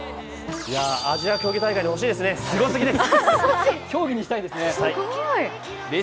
アジア競技大会に欲しいですね、すごすぎです。